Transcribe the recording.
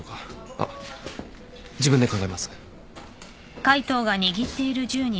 あっ自分で考えます。